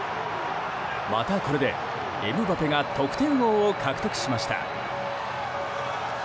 また、これでエムバペが得点王を獲得しました。